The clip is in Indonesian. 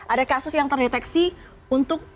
ada kasus yang terdeteksi untuk